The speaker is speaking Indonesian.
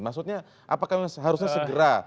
maksudnya apakah harusnya segera